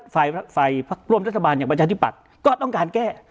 ฝ่ายพักร่วมรัฐบาลอย่างประชาธิปัตย์ก็ต้องการแก้